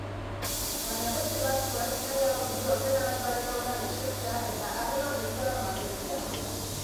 Baina beste batzuek nahiago dute ordenagailuaren aurrean esertzea eta harreman birtualak mantentzea.